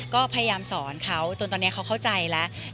ก็พยายามสอนเขาจนตอนนี้เขาเข้าใจแล้ว